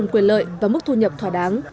quyền lợi và mức thu nhập thỏa đáng